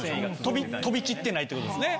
飛び散ってないって事ですね。